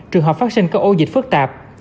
trường hợp phát sinh các ô dịch phức tạp